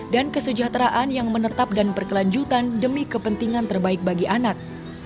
dan kesejahteraan yang menetap dan berkelanjutan demi kepentingan terbaik bagi anak